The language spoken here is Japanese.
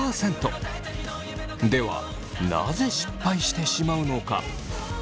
なぜ失敗してしまうのか。